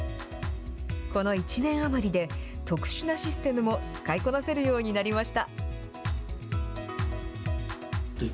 この１年余りで、特殊なシステムも使いこなせるようになりました。